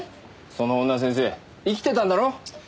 その女先生生きてたんだろ？